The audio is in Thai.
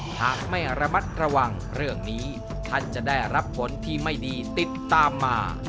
หากไม่ระมัดระวังเรื่องนี้ท่านจะได้รับผลที่ไม่ดีติดตามมา